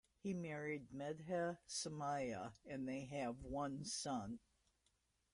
He married Medha Somaiya and they have one son.